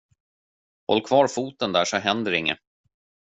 Håll kvar foten där så händer inget.